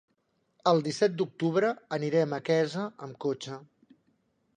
El disset d'octubre anirem a Quesa amb cotxe.